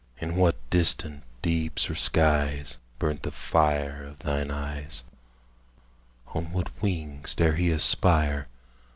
In what distant deeps or skies Burnt the fire of thine eyes? On what wings dare he aspire?